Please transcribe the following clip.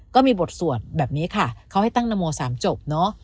ก็มีบทสวดแบบนี้ค่ะเขาให้ตั้งนโม๓จบเนอะ